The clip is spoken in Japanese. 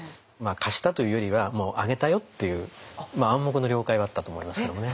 貸したというよりはもうあげたよっていう暗黙の了解はあったと思いますけどもね。